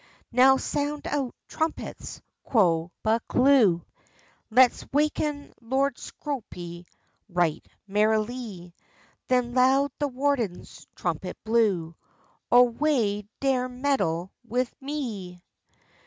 "Now sound out, trumpets!" quo Buccleuch; "Let's waken Lord Scroope right merrilie!" Then loud the warden's trumpet blew "O whae dare meddle wi me?"